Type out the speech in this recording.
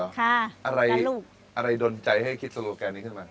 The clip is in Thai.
ค่ะแล้วกับลูกอะไรดนใจให้คิดสโลแกนนี้ขึ้นมา